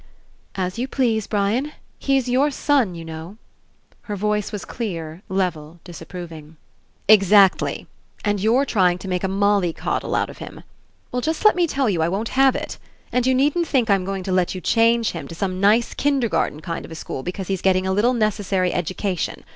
"As you please, Brian. He's your son, you know." Her voice was clear, level, disap proving. "Exactly! And you're trying to make a molly coddle out of him. Well, just let me tell you, I won't have it. And you needn't think I'm going to let you change him to some nice kindergarten kind of a school because he's get ting a little necessary education.